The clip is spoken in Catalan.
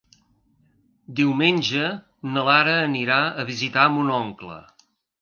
Diumenge na Lara anirà a visitar mon oncle.